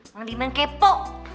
bang diman kepo